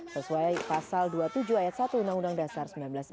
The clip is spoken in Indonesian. sesuai pasal dua puluh tujuh ayat satu undang undang dasar seribu sembilan ratus empat puluh